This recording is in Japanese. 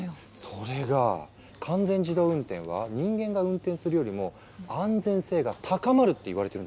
それが完全自動運転は人間が運転するよりも安全性が高まるっていわれてるんです。